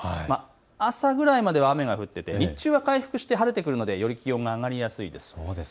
朝ぐらいまでは雨が降っていて日中、回復して晴れてくるのでより気温が上がりやすいです。